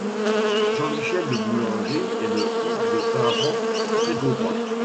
Jean-Michel Le Boulanger est le fils de parents trégorrois.